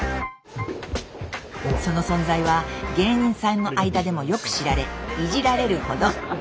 その存在は芸人さんの間でもよく知られいじられるほど。